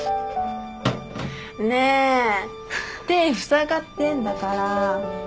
ねえ手ふさがってんだから。